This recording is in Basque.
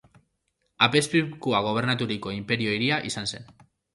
Apezpikuak gobernaturiko inperio hiria izan zen.